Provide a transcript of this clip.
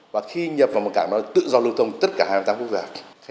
và khi nhập vào một cảng tự do lưu thông tất cả hai mươi tám quốc gia